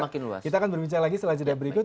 kita akan berbincang lagi setelah jeda berikut